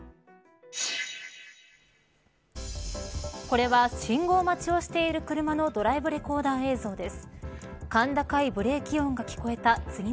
これは信号待ちをしている車のドライブレコーダー映像です。